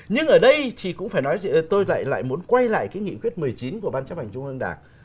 nhưng ở đây thì cũng phải nói tôi lại lại muốn quay lại cái nghị quyết một mươi chín của ban chấp hành trung ương đảng